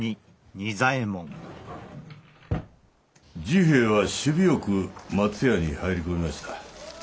治平は首尾よく松屋に入り込みました。